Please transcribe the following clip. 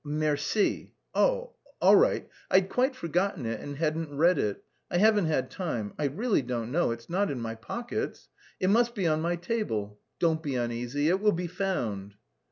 "Merci." "Oh, all right. I'd quite forgotten it and hadn't read it; I haven't had time. I really don't know, it's not in my pockets... it must be on my table. Don't be uneasy, it will be found."